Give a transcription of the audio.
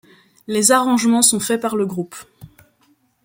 Les arrangements sont faits par le groupe.